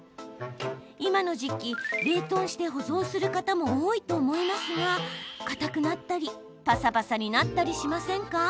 今の時期、冷凍して保存する方も多いと思いますがかたくなったりぱさぱさになったりしませんか？